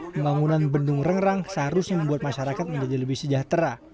pembangunan bendung rengrang seharusnya membuat masyarakat menjadi lebih sejahtera